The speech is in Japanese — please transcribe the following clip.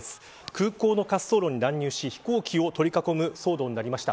空港の滑走路に乱入し飛行機を取り囲む騒動になりました。